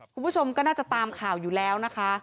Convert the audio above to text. คุณผู้ชมก็น่าจะตามข่าวอยู่แล้วนะคะ